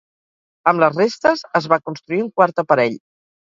Amb les restes es va construir un quart aparell.